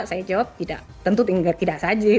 saya jawab tidak tentu tidak saja